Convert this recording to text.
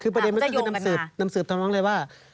คือประเด็นมันก็คือนำสืบทำน้องเลยว่า